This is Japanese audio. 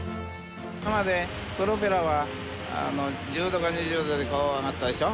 今までプロペラは、１０度とか２０度でこう上がったでしょ。